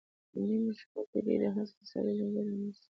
په نیمو شپو کې دې، د حسن سرې لمبې رانیسم